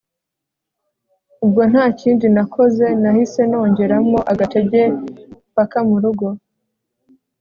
ubwo ntakindi nakoze nahise nongeramo agatege mpaka murugo